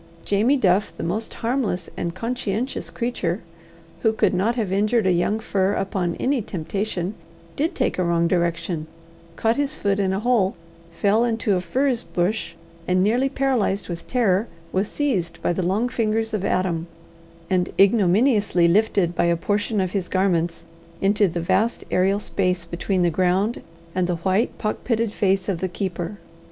Jamie Duff, the most harmless and conscientious creature, who would not have injured a young fir upon any temptation, did take a wrong direction, caught his foot in a hole, fell into a furze bush, and, nearly paralysed with terror, was seized by the long fingers of Adam, and ignominiously lifted by a portion of his garments into the vast aërial space between the ground and the white, pock pitted face of the keeper.